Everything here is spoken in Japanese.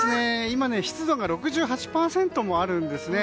今、湿度が６８％もあるんですね。